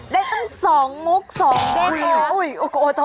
ได้ตั้ง๒มุก๒เด็กค้า